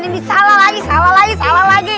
ini salah lagi salah lagi salah lagi